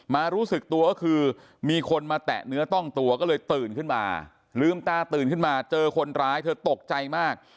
รู้สึกตัวก็คือมีคนมาแตะเนื้อต้องตัวก็เลยตื่นขึ้นมาลืมตาตื่นขึ้นมาเจอคนร้ายเธอตกใจมาก